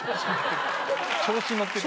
調子乗ってる。